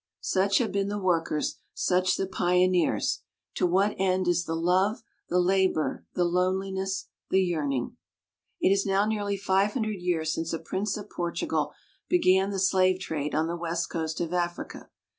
Such have been the workers, such the pio neers. To what, end is the love, the labor the loneliness, the yearning? It is now nearly five hundred years since a prince of Portugal began the slave trade on the west coast of Africa.